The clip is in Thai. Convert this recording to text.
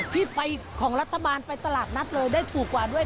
พี่ไปของรัฐบาลไปตลาดนัดเลยได้ถูกกว่าด้วย